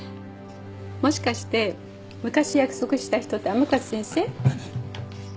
もしかして昔約束した人って甘春先生？